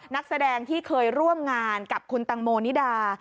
นักแสดงที่เคยร่วมงานกับคุณตังโมนิดา